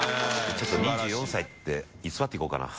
ちょっと２４歳って偽って行こうかな。